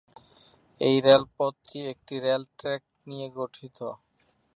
এই রেলপথটি একটি rail track নিয়ে গঠিত।